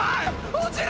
落ちる！